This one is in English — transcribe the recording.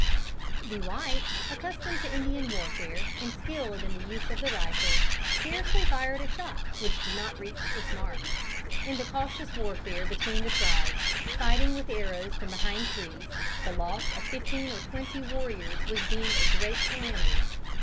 The whites, accustomed to Indian warfare and skilled in the use of the rifle, scarcely fired a shot which did not reach its mark. In the cautious warfare between the tribes, fighting with arrows from behind trees, the loss of fifteen or twenty warriors was deemed a great calamity.